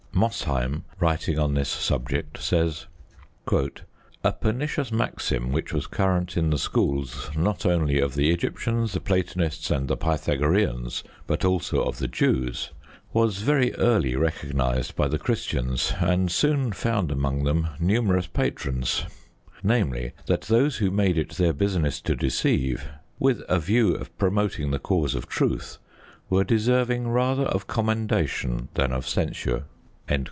Mosheim, writing on this subject, says: A pernicious maxim which was current in the schools, not only of the Egyptians, the Platonists, and the Pythagoreans, but also of the Jews, was very early recognised by the Christians, and soon found among them numerous patrons namely, that those who made it their business to deceive, with a view of promoting the cause of truth, were deserving rather of commendation than of censure.